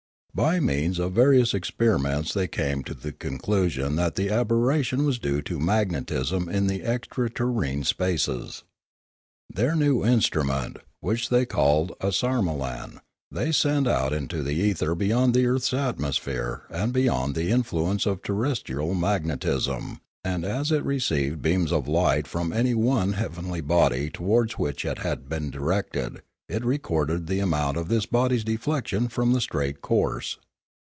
By means of various experiments they came to the conclusion that the aberration was due to « magnetism in the extra terrene spaces. Their new in strument, which they called a sarmolan, they sent out into the ether beyond the earth's atmosphere and be yond the influence of terrestrial magnetism; and, as it received beams of light from any one heavenly body towards which it had been directed, it recorded the amount of this body's deflection from the straight course.